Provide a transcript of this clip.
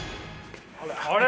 あれ。